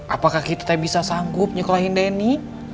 apakah kita bisa sanggup nyekolahin denny